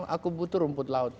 aku butuh rumput laut